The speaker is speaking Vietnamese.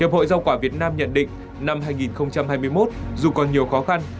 hiệp hội rau quả việt nam nhận định năm hai nghìn hai mươi một dù còn nhiều khó khăn